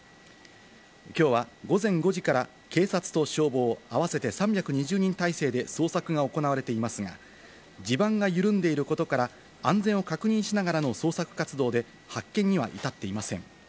きょうは午前５時から警察と消防、合わせて３２０人態勢で捜索が行われていますが、地盤が緩んでいることから、安全を確認しながらの捜索活動で発見には至っていません。